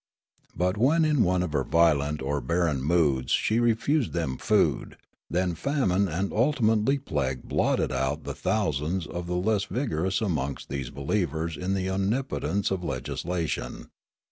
But when in one of her violent or barren moods she refused them food, then famine and ultimately plague blotted out bj' tbe thousand the less vigorous amongst these believers in the omnipotence of legislation.